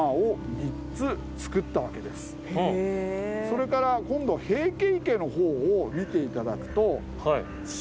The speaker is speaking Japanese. それから今度平家池の方を見ていただくと。